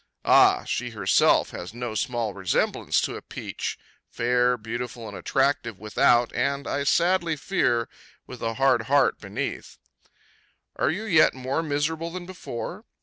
Ah! she herself has no small resemblance to a peach, fair, beautiful, and attractive without, and, I sadly fear, with a hard heart beneath. Are you yet more miserable than before?